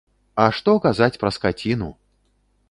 А што казаць пра скаціну!